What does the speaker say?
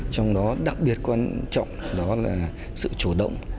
trong đó đặc biệt quan trọng đó là sự chủ động